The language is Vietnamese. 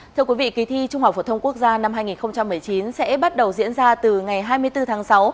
thưa quý vị kỳ thi trung học phổ thông quốc gia năm hai nghìn một mươi chín sẽ bắt đầu diễn ra từ ngày hai mươi bốn tháng sáu